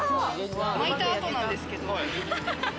巻いた後なんですけど。